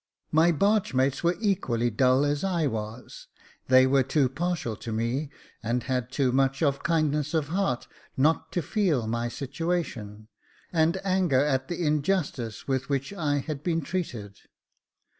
My bargemates were equally dull as I was : they were too partial to me, and had too much of kindness of heart, not to feel my situation, and anger at the injustice with which I had been treated.